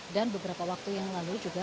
beberapa waktu yang lalu juga